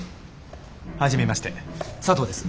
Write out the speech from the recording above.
初めまして佐藤です。